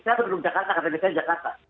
saya berdiri di jakarta karena saya di jakarta